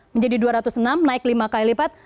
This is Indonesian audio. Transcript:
menjadi dua ratus enam naik lima kali lipat